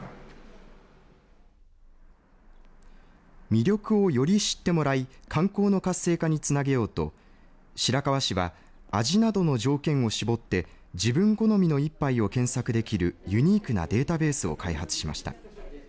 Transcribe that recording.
魅力をより知ってもらい観光の活性化につなげようと白河市は味などの条件を絞って自分好みの一杯を検索できるユニークなデータベースを開発しました。